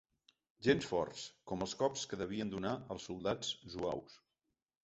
Gens forts, com els cops que devien donar els soldats zuaus.